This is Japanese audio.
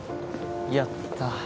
やった。